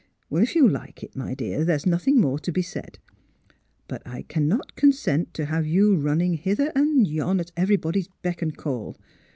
'' Well; if 30 THE HEART OF PHILURA you like it, my dear, there's nothing more to be said. But I cannot consent to have you running hither and yon at everybody's beck and call.